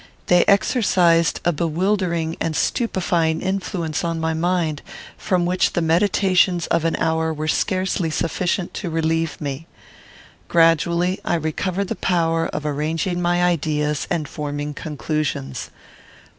They exercised a bewildering and stupefying influence on my mind, from which the meditations of an hour were scarcely sufficient to relieve me. Gradually I recovered the power of arranging my ideas and forming conclusions.